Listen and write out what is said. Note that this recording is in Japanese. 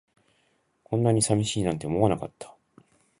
こんなに寂しいなんて思わなかった